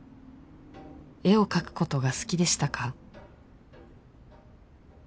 絵を描くことが好きでしたか？